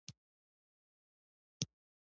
د پکتیکا په وازیخوا کې د سمنټو مواد شته.